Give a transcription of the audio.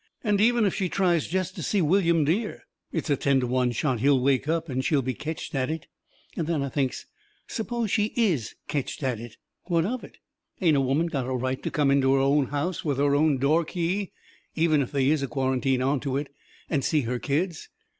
And even if she tries jest to see William Dear it's a ten to one shot he'll wake up and she'll be ketched at it." And then I thinks, suppose she IS ketched at it? What of it? Ain't a woman got a right to come into her own house with her own door key, even if they is a quarantine onto it, and see her kids?